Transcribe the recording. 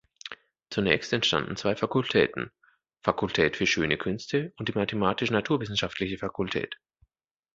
Zunächst entstanden zwei Fakultäten: Fakultät für Schöne Künste und die Mathematisch-Naturwissenschaftliche Fakultät.